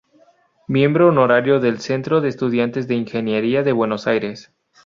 Miembro honorario del Centro de Estudiantes de Ingeniería de Buenos Aires.